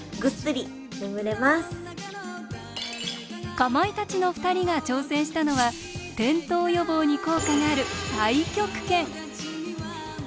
かまいたちの２人が挑戦したのは転倒予防に効果がある太極拳。